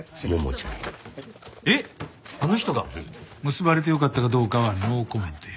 うん。結ばれてよかったかどうかはノーコメントや。